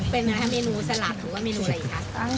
เป็นเมนูสลัดหรือว่าเมนูอะไรคะ